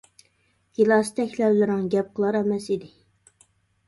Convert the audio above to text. گىلاستەك لەۋلىرىڭ گەپ قىلار ئەمەس ئىدى.